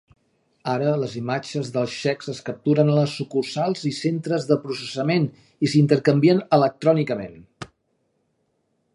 Ara, les imatges dels xecs es capturen a les sucursals i centres de processament i s'intercanvien electrònicament.